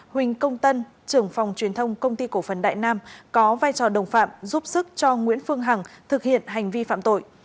huỳnh công tân trưởng phòng truyền thông công ty cổ phần đại nam có vai trò đồng phạm giúp sức cho nguyễn phương hằng thực hiện hành vi phạm tội